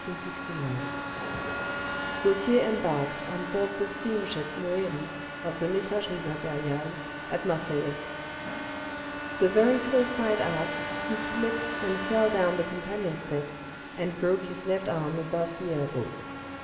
Gautier embarked on board the steamship "Moeris," of the Messageries Impériales, at Marseilles. The very first night out he slipped and fell down the companion steps, and broke his left arm above the elbow.